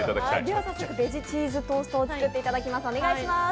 では、早速ベジチーズトーストを作っていただきます。